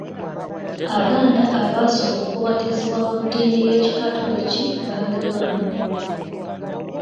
Abaganda abaasooka okubatizibwa mu ddiini y’ekikatoliki baali bana.